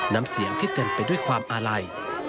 น้ำเสียงที่เต็มไปด้วยความอาลัย